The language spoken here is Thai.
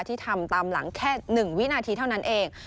ที่ทำตามหลังแค่๑วินาทีเท่านั้นเอง